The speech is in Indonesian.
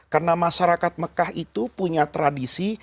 karena masyarakat mekah itu punya tradisi